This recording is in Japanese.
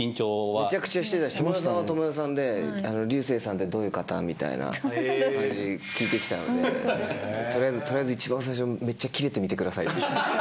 めちゃくちゃしてたし知世さんは知世さんで流星さんってどういう方？みたいな感じで聞いて来たので取りあえず一番最初めっちゃキレてみてくださいって。